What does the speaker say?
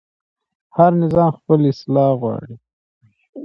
هر نظام خپل اصلاح غواړي